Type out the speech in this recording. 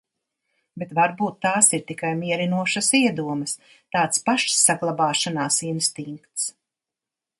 Bet varbūt tās ir tikai mierinošas iedomas, tāds pašsaglabāšanās instinkts.